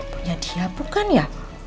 punya dia bukan ya